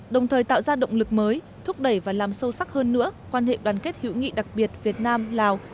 đồng thời tạo ra động lực mới thúc đẩy và làm sâu sắc hơn nữa quan hệ đoàn kết hữu nghị đặc biệt việt nam lào